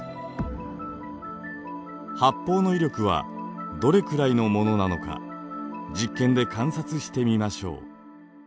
発泡の威力はどれくらいのものなのか実験で観察してみましょう。